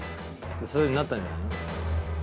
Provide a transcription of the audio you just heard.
すすれるようになったんじゃないの？